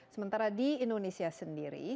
sementara di indonesia sendiri